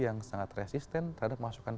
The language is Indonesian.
yang sangat resisten terhadap masukan